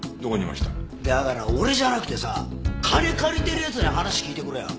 だから俺じゃなくてさ金借りてる奴に話聞いてくれよ。